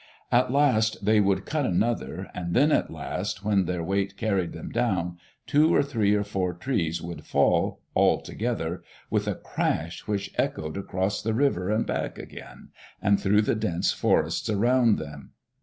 At last they would cut another, and then at last, when their weight carried them down, two or three or four trees would fall, all together, with a crash which echoed across the river and back again, and through the dense forests around them.